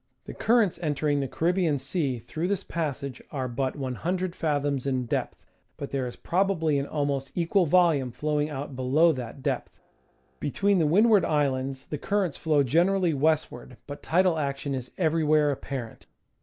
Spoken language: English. The currents entering the Caribbean Sea through this passage are but 100 fathoms in depth, but there is probably an almost equal volume flowing out below that depth. Between the Windward Islands the currents flow generally westward, but tidal action is everywhere apparent.